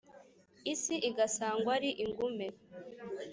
Isi igasangwa ari ingume,